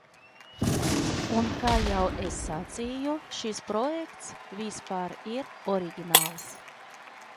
Un, kā jau es sacīju, šis projekts vispār ir oriģināls.